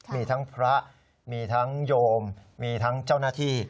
มีทั้งพระมีทั้งโยมมีทั้งเจ้าหน้าที่